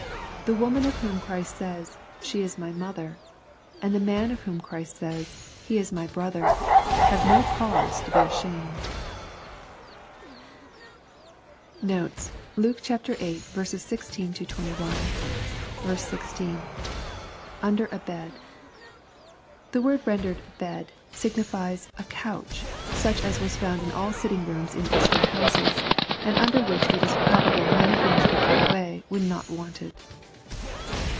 The woman of whom Christ says, " She is my mother," and the man of whom Christ says, *' He is my brother," have no cause to be ashamed. Notes. Luke VIII 16—21. 16. — [Under a bed.} The word rendered "bed," signifies "a couch," such as was found in all sitting rooms in eastern houses, and under which it is probable many things were put away, when not wanted.